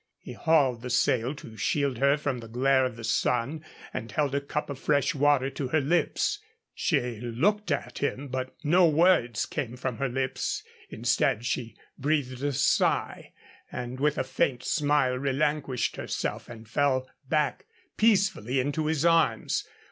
He hauled the sail to shield her from the glare of the sun, and held a cup of fresh water to her lips. She looked at him, but no words came from her lips. Instead, she breathed a sigh and with a faint smile relinquished herself and fell back peacefully into his arms.